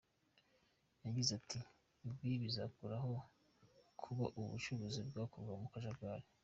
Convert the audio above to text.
Yagize ati, “Ibi bizakuraho kuba ubu bucuruzi bwakorwa mu kajagari.